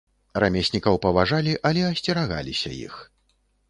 Рамеснікаў паважалі, але асцерагаліся іх.